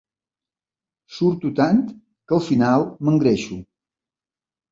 Surto tant que al final m'engreixo.